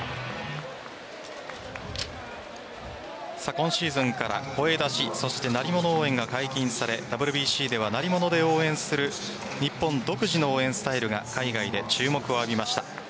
今シーズンから声出し、鳴り物応援が解禁されＷＢＣでは鳴り物で応援する日本独自の応援スタイルが海外で注目を浴びました。